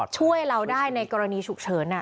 ช่วยเราได้ในกรณีฉุกเฉิน